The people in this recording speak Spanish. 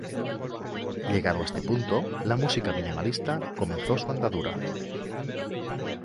Llegado a este punto la música minimalista comenzó su andadura.